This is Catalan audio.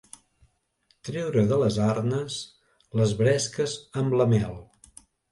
Treure de les arnes les bresques amb la mel.